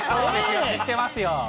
知ってますよ。